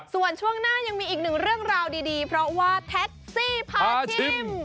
ส่วนช่วงหน้ายังมีอีกหนึ่งเรื่องราวดีเพราะว่าแท็กซี่พาชิม